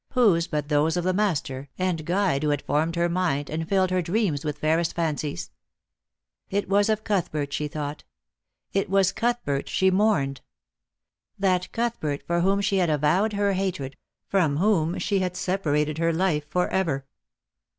Whose but those of the master and guide who had formed her mind, and filled her dreams with fairest fancies ? It was of Cuthbert she thought; it was Cuthbert she mourned. That Cuthbert for whom she had avowed her hatred, from whom she had separated her life for ever.